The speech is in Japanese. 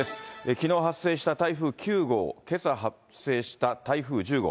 きのう発生した台風９号、けさ発生した台風１０号。